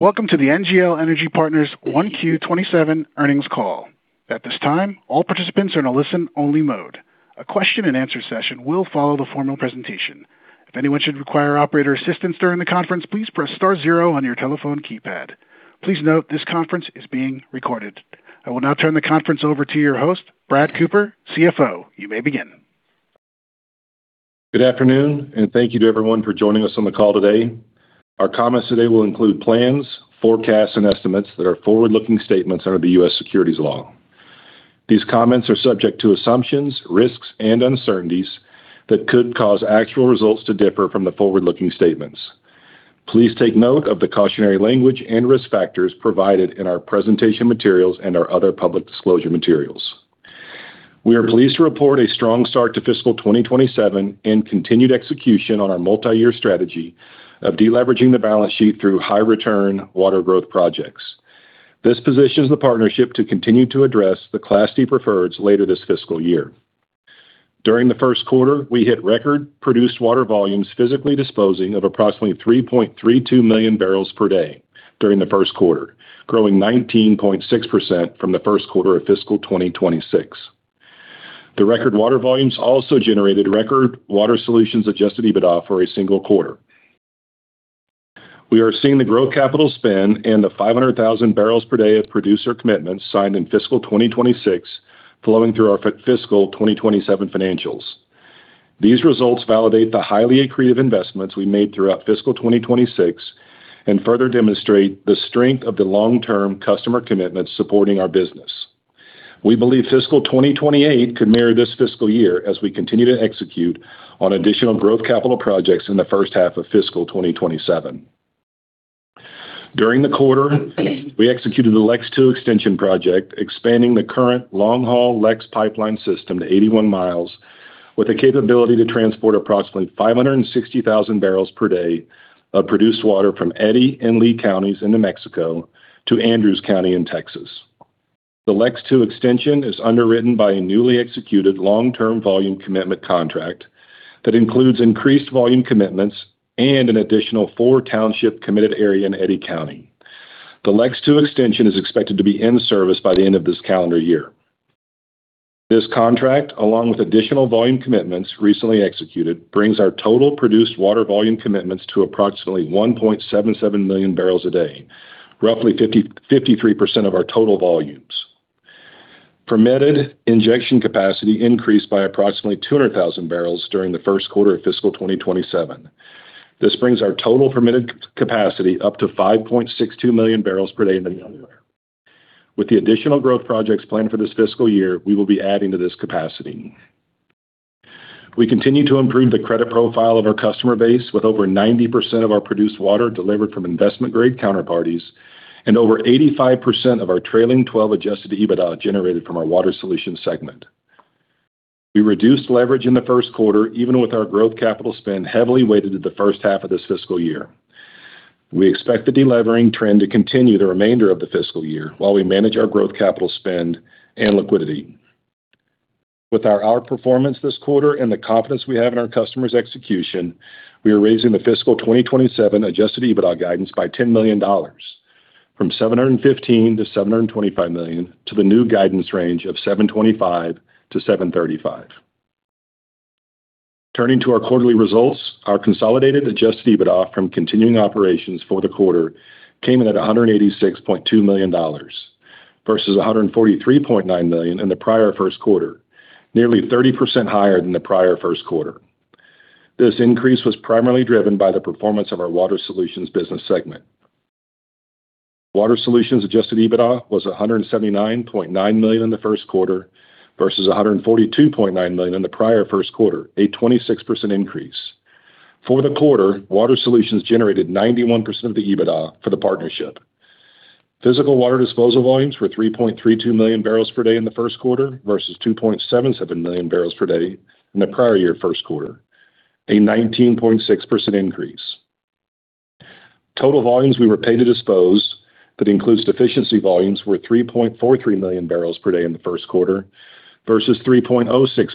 Welcome to the NGL Energy Partners 1Q 2027 Earnings Call. At this time, all participants are in a listen-only mode. A question-and-answer session will follow the formal presentation. If anyone should require operator assistance during the conference, please press star zero on your telephone keypad. Please note this conference is being recorded. I will now turn the conference over to your host, Brad Cooper, CFO. You may begin. Good afternoon. Thank you to everyone for joining us on the call today. Our comments today will include plans, forecasts, and estimates that are forward-looking statements under the U.S. securities law. These comments are subject to assumptions, risks, and uncertainties that could cause actual results to differ from the forward-looking statements. Please take note of the cautionary language and risk factors provided in our presentation materials and our other public disclosure materials. We are pleased to report a strong start to fiscal 2027 and continued execution on our multi-year strategy of de-leveraging the balance sheet through high-return water growth projects. This positions the partnership to continue to address the Class D preferreds later this fiscal year. During the first quarter, we hit record-produced water volumes, physically disposing of approximately 3.32 MMbpd during the first quarter, growing 19.6% from the first quarter of fiscal 2026. The record water volumes also generated record Water Solutions adjusted EBITDA for a single quarter. We are seeing the growth capital spend and the 500,000 barrels per day of producer commitments signed in fiscal 2026 flowing through our fiscal 2027 financials. These results validate the highly accretive investments we made throughout fiscal 2026 and further demonstrate the strength of the long-term customer commitments supporting our business. We believe fiscal 2028 could mirror this fiscal year as we continue to execute on additional growth capital projects in the first half of fiscal 2027. During the quarter, we executed the LEX II Extension project, expanding the current long-haul LEX Pipeline System to 81 mi with a capability to transport approximately 560,000 barrels per day of produced water from Eddy and Lea counties in New Mexico to Andrews County in Texas. The LEX II Extension is underwritten by a newly executed long-term volume commitment contract that includes increased volume commitments and an additional four-township committed area in Eddy County. The LEX II Extension is expected to be in service by the end of this calendar year. This contract, along with additional volume commitments recently executed, brings our total produced water volume commitments to approximately 1.77 MMbpd, roughly 53% of our total volumes. Permitted injection capacity increased by approximately 200,000 barrels during the first quarter of fiscal 2027. This brings our total permitted capacity up to 5.62 MMbpd. With the additional growth projects planned for this fiscal year, we will be adding to this capacity. We continue to improve the credit profile of our customer base, with over 90% of our produced water delivered from investment-grade counterparties and over 85% of our trailing 12 adjusted EBITDA generated from our Water Solutions segment. We reduced leverage in the first quarter, even with our growth capital spend heavily weighted to the first half of this fiscal year. We expect the delevering trend to continue the remainder of the fiscal year while we manage our growth capital spend and liquidity. With our outperformance this quarter and the confidence we have in our customers' execution, we are raising the fiscal 2027 adjusted EBITDA guidance by $10 million from $715 million-$725 million to the new guidance range of $725 million-$735 million. Turning to our quarterly results, our consolidated adjusted EBITDA from continuing operations for the quarter came in at $186.2 million versus $143.9 million in the prior first quarter, nearly 30% higher than the prior first quarter. This increase was primarily driven by the performance of our Water Solutions business segment. Water Solutions adjusted EBITDA was $179.9 million in the first quarter versus $142.9 million in the prior first quarter, a 26% increase. For the quarter, Water Solutions generated 91% of the EBITDA for the partnership. Physical water disposal volumes were 3.32 MMbpd in the first quarter versus 2.77 MMbpd in the prior year first quarter, a 19.6% increase. Total volumes we were paid to dispose, that includes deficiency volumes, were 3.43 MMbpd in the first quarter versus 3.06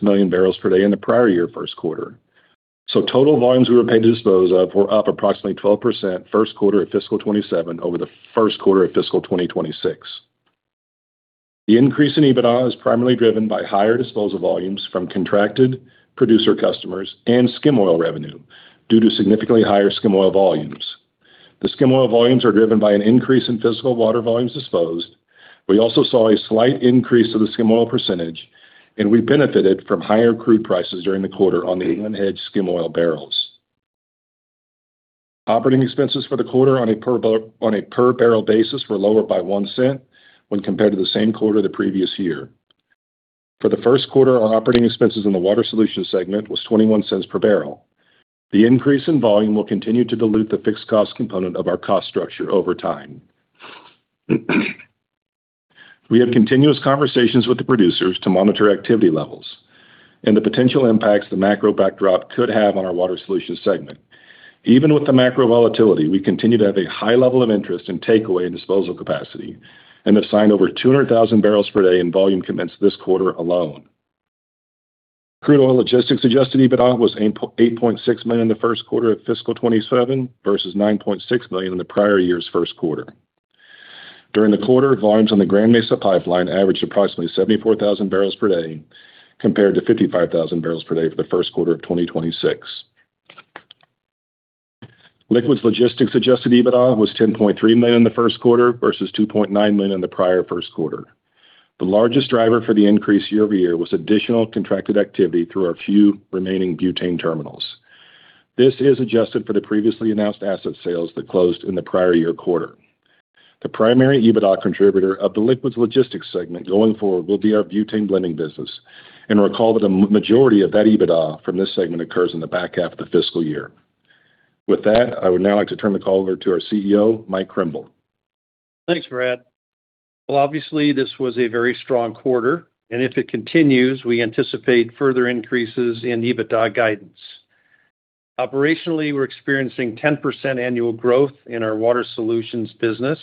MMbpd in the prior year first quarter. Total volumes we were paid to dispose of were up approximately 12% first quarter of fiscal 2027 over the first quarter of fiscal 2026. The increase in EBITDA is primarily driven by higher disposal volumes from contracted producer customers and skim oil revenue due to significantly higher skim oil volumes. The skim oil volumes are driven by an increase in physical water volumes disposed. We also saw a slight increase to the skim oil percentage, and we benefited from higher crude prices during the quarter on the unhedged skim oil barrels. Operating expenses for the quarter on a per-barrel basis were lower by $0.01 when compared to the same quarter the previous year. For the first quarter, our operating expenses in the Water Solutions segment was $0.21 per barrel. The increase in volume will continue to dilute the fixed cost component of our cost structure over time. We have continuous conversations with the producers to monitor activity levels and the potential impacts the macro backdrop could have on our Water Solutions segment. Even with the macro volatility, we continue to have a high level of interest in takeaway and disposal capacity and have signed over 200,000 barrels per day in volume commits this quarter alone. Crude Oil Logistics adjusted EBITDA was $8.96 million in the first quarter of fiscal 2027 versus $9.6 million in the prior year's first quarter. During the quarter, volumes on the Grand Mesa Pipeline averaged approximately 74,000 barrels per day, compared to 55,000 barrels per day for the first quarter of 2026. Liquids Logistics adjusted EBITDA was $10.3 million the first quarter versus $2.9 million in the prior first quarter. The largest driver for the increase year-over-year was additional contracted activity through our few remaining butane terminals. This is adjusted for the previously announced asset sales that closed in the prior year quarter. The primary EBITDA contributor of the Liquids Logistics segment going forward will be our butane blending business. Recall that a majority of that EBITDA from this segment occurs in the back half of the fiscal year. With that, I would now like to turn the call over to our CEO, Mike Krimbill. Thanks, Brad. Well, obviously, this was a very strong quarter, and if it continues, we anticipate further increases in EBITDA guidance. Operationally, we're experiencing 10% annual growth in our Water Solutions business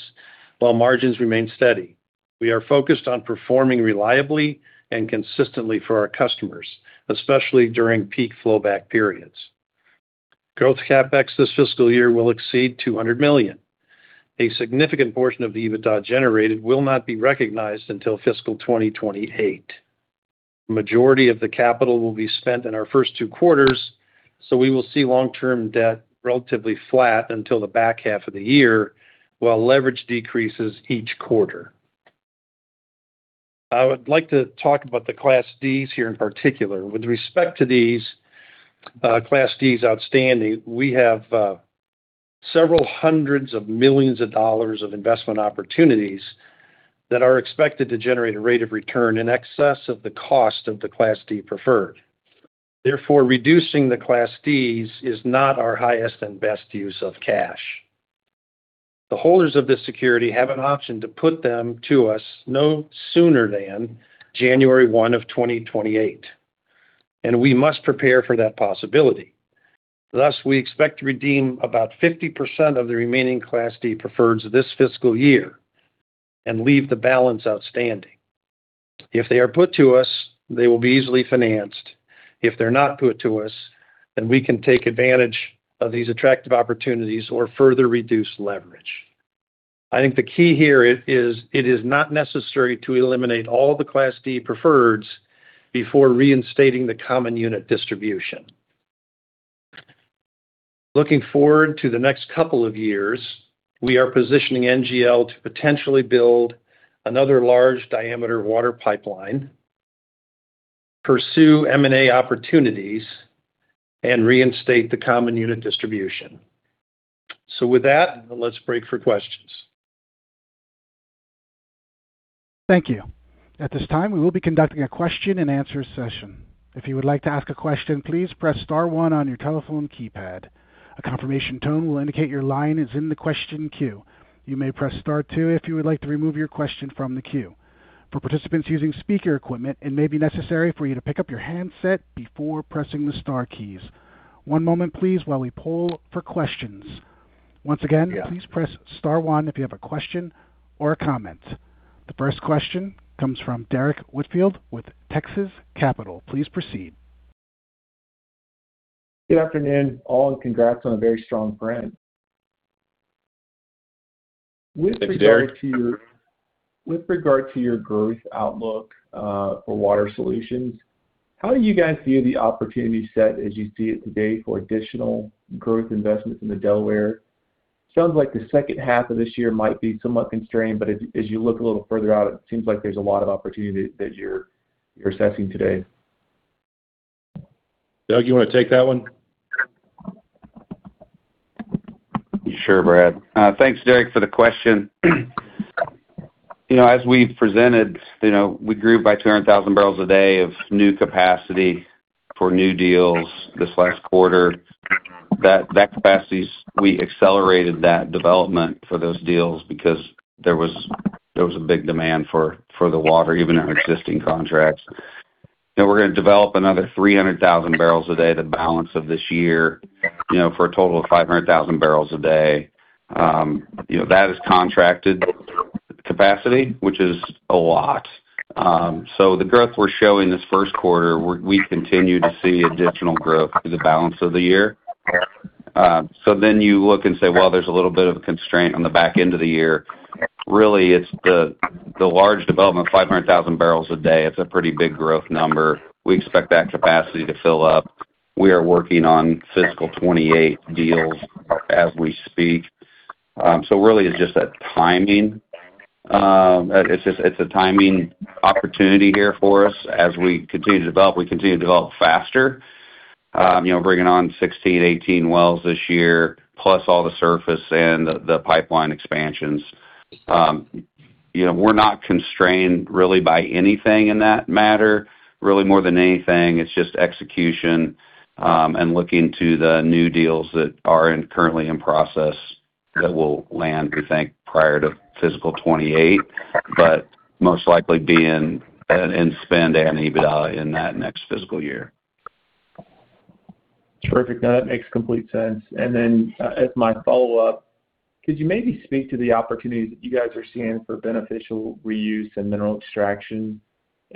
while margins remain steady. We are focused on performing reliably and consistently for our customers, especially during peak flow back periods. Growth CapEx this fiscal year will exceed $200 million. A significant portion of the EBITDA generated will not be recognized until fiscal 2028. Majority of the capital will be spent in our first two quarters. We will see long-term debt relatively flat until the back half of the year, while leverage decreases each quarter. I would like to talk about the Class Ds here in particular. With respect to these Class Ds outstanding, we have several hundreds of millions of dollars of investment opportunities that are expected to generate a rate of return in excess of the cost of the Class D preferred. Therefore, reducing the Class Ds is not our highest and best use of cash. The holders of this security have an option to put them to us no sooner than January one of 2028. We must prepare for that possibility. Thus, we expect to redeem about 50% of the remaining Class D preferreds this fiscal year and leave the balance outstanding. If they are put to us, they will be easily financed. If they're not put to us, then we can take advantage of these attractive opportunities or further reduce leverage. I think the key here is it is not necessary to eliminate all the Class D preferreds before reinstating the common unit distribution. Looking forward to the next couple of years, we are positioning NGL to potentially build another large-diameter water pipeline, pursue M&A opportunities, and reinstate the common unit distribution. With that, let's break for questions. Thank you. At this time, we will be conducting a question and answer session. If you would like to ask a question, please press star one on your telephone keypad. A confirmation tone will indicate your line is in the question queue. You may press star two if you would like to remove your question from the queue. For participants using speaker equipment, it may be necessary for you to pick up your handset before pressing the star keys. One moment, please, while we poll for questions. Once again. Yeah Please press star one if you have a question or a comment. The first question comes from Derrick Whitfield with Texas Capital. Please proceed. Good afternoon, all. Congrats on a very strong brand. Thanks, Derrick. With regard to your growth outlook, for Water Solutions, how do you guys view the opportunity set as you see it today for additional growth investments in the Delaware? Sounds like the second half of this year might be somewhat constrained, as you look a little further out, it seems like there's a lot of opportunity that you're assessing today. Doug, you want to take that one? Sure, Brad. Thanks, Derrick, for the question. As we presented, we grew by 200,000 barrels a day of new capacity for new deals this last quarter. That capacity, we accelerated that development for those deals because there was a big demand for the water, even in our existing contracts. We're going to develop another 300,000 barrels a day the balance of this year, for a total of 500,000 barrels a day. That is contracted capacity, which is a lot. The growth we're showing this first quarter, we continue to see additional growth through the balance of the year. You look and say, well, there's a little bit of a constraint on the back end of the year. Really, it's the large development, 500,000 barrels a day. It's a pretty big growth number. We expect that capacity to fill up. We are working on fiscal 2028 deals as we speak. Really, it's just that timing. It's a timing opportunity here for us. As we continue to develop, we continue to develop faster. Bringing on 16, 18 wells this year, plus all the surface and the pipeline expansions. We're not constrained really by anything in that matter. Really more than anything, it's just execution, and looking to the new deals that are currently in process that will land, we think, prior to fiscal 2028, most likely be in spend and EBITDA in that next fiscal year. Terrific. No, that makes complete sense. As my follow-up, could you maybe speak to the opportunities that you guys are seeing for beneficial reuse and mineral extraction?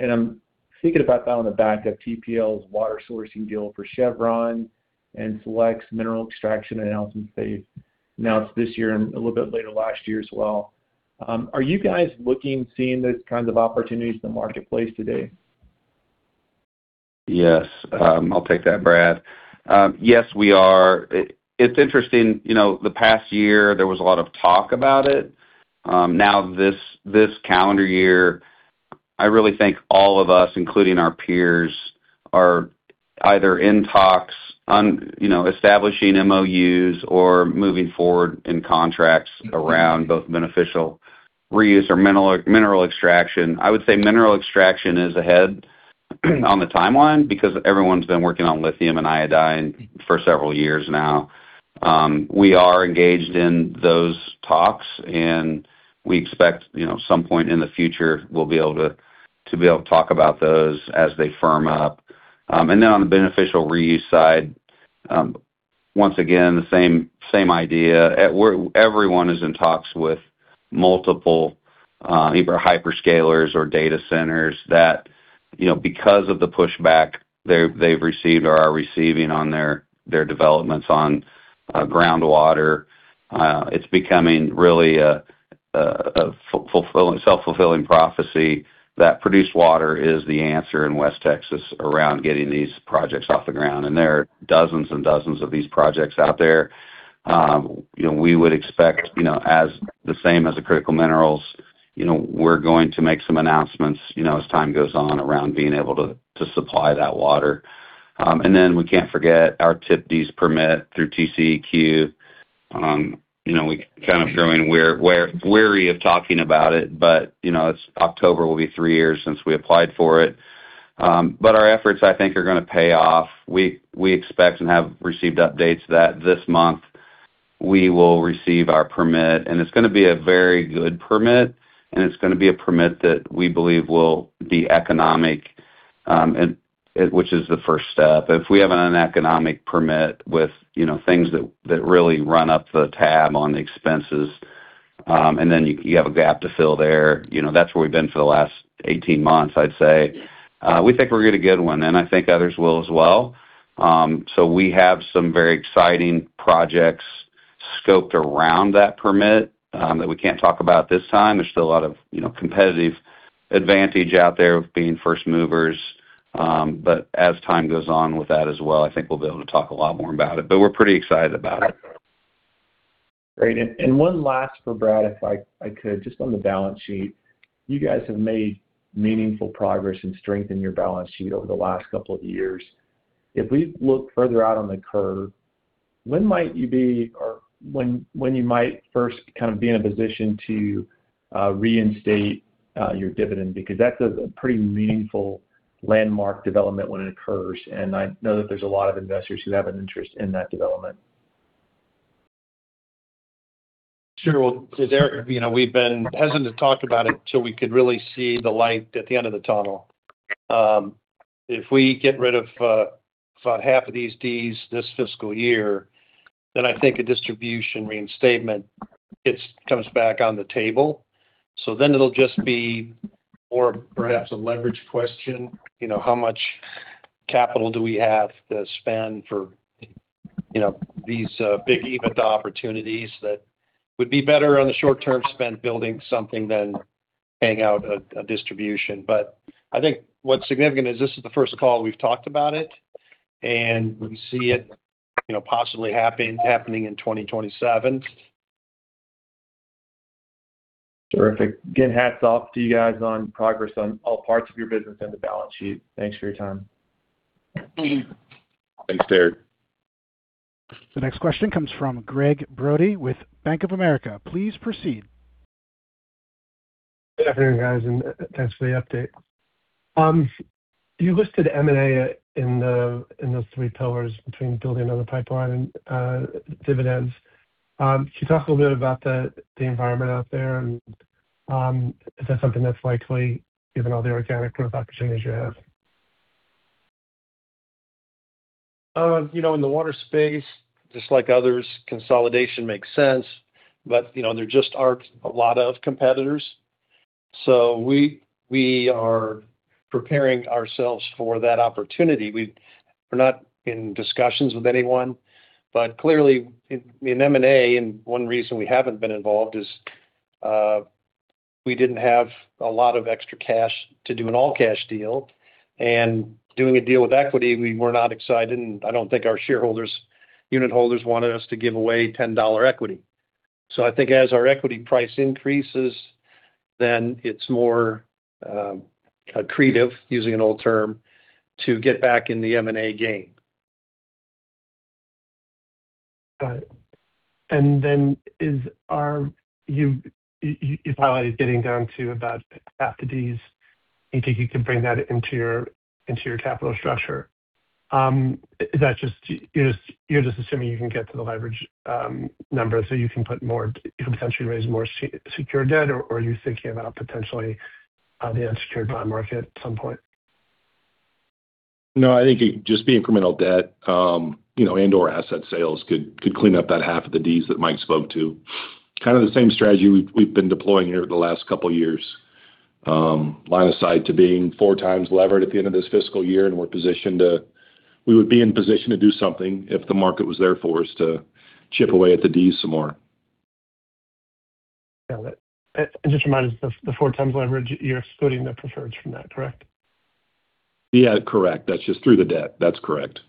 I'm thinking about that on the back of TPL's water sourcing deal for Chevron and Select's mineral extraction announcement they announced this year and a little bit later last year as well. Are you guys looking, seeing those kinds of opportunities in the marketplace today? Yes. I'll take that, Brad. Yes, we are. It's interesting, the past year there was a lot of talk about it. This calendar year, I really think all of us, including our peers, are either in talks, establishing MOUs or moving forward in contracts around both beneficial reuse or mineral extraction. I would say mineral extraction is ahead on the timeline because everyone's been working on lithium and iodine for several years now. We are engaged in those talks, and we expect at some point in the future, we'll be able to talk about those as they firm up. On the beneficial reuse side, once again, the same idea. Everyone is in talks with multiple either hyperscalers or data centers that, because of the pushback they've received or are receiving on their developments on groundwater, it's becoming really a self-fulfilling prophecy that produced water is the answer in West Texas around getting these projects off the ground. There are dozens and dozens of these projects out there. We would expect the same as the critical minerals. We're going to make some announcements, as time goes on, around being able to supply that water. We can't forget our TPDES permit through TCEQ. We're kind of growing weary of talking about it, but October will be three years since we applied for it. Our efforts, I think, are going to pay off. We expect and have received updates that this month we will receive our permit, and it's going to be a very good permit, and it's going to be a permit that we believe will be economic, which is the first step. If we have an economic permit with things that really run up the tab on the expenses, then you have a gap to fill there, that's where we've been for the last 18 months, I'd say. We think we'll get a good one, and I think others will as well. We have some very exciting projects scoped around that permit, that we can't talk about this time. There's still a lot of competitive advantage out there of being first movers. As time goes on with that as well, I think we'll be able to talk a lot more about it, but we're pretty excited about it. Great. One last for Brad, if I could. Just on the balance sheet, you guys have made meaningful progress and strengthened your balance sheet over the last couple of years. If we look further out on the curve, when might you be, or when you might first kind of be in a position to reinstate your dividend? Because that's a pretty meaningful landmark development when it occurs, and I know that there's a lot of investors who have an interest in that development. Sure. Well, Derrick, we've been hesitant to talk about it till we could really see the light at the end of the tunnel. If we get rid of about half of these D's this fiscal year, I think a distribution reinstatement comes back on the table. It'll just be more perhaps a leverage question, how much capital do we have to spend for these big EBITDA opportunities that would be better on the short-term spend building something than paying out a distribution. I think what's significant is this is the first call we've talked about it, and we see it possibly happening in 2027. Terrific. Again, hats off to you guys on progress on all parts of your business and the balance sheet. Thanks for your time. Thanks, Derrick. The next question comes from Gregg Brody with Bank of America. Please proceed. Good afternoon, guys, and thanks for the update. You listed M&A in those three pillars between building another pipeline and dividends. Can you talk a little bit about the environment out there and, is that something that's likely given all the organic growth opportunities you have? In the water space, just like others, consolidation makes sense, but there just aren't a lot of competitors. We are preparing ourselves for that opportunity. We are not in discussions with anyone, but clearly in M&A, and one reason we haven't been involved is we didn't have a lot of extra cash to do an all-cash deal. Doing a deal with equity, we were not excited, and I don't think our shareholders, unitholders wanted us to give away $10 equity. I think as our equity price increases, then it's more accretive, using an old term, to get back in the M&A game. Got it. Then, you highlighted getting down to about half the Ds. You think you can bring that into your capital structure. You're just assuming you can get to the leverage number so you can potentially raise more secure debt, or are you thinking about potentially the unsecured bond market at some point? No, I think it'd just be incremental debt, and/or asset sales could clean up that half of the Ds that Mike spoke to. Kind of the same strategy we've been deploying here the last couple of years. Line of sight to being four times levered at the end of this fiscal year, we would be in position to do something if the market was there for us to chip away at the Ds some more. Got it. Just remind us, the four times leverage, you're excluding the preferred from that, correct? Yeah, correct. That's just through the debt. That's correct.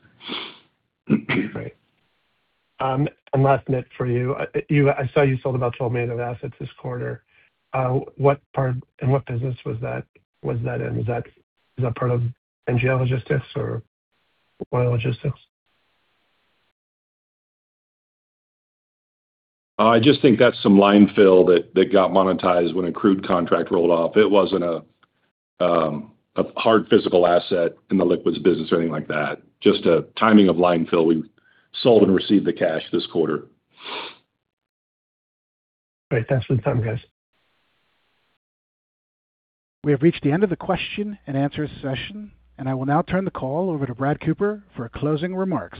Great. Last, Brad, for you. I saw you sold about $12 million of assets this quarter. In what business was that in? Was that part of Liquids Logistics or Oil Logistics? I just think that's some line fill that got monetized when a crude contract rolled off. It wasn't a hard physical asset in the liquids business or anything like that, just a timing of line fill. We sold and received the cash this quarter. Great. Thanks for the time, guys. We have reached the end of the question and answer session. I will now turn the call over to Brad Cooper for closing remarks.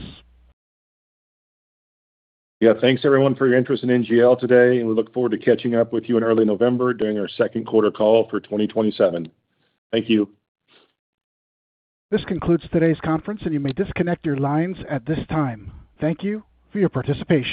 Yeah. Thanks everyone for your interest in NGL today. We look forward to catching up with you in early November during our second quarter call for 2027. Thank you. This concludes today's conference, and you may disconnect your lines at this time. Thank you for your participation.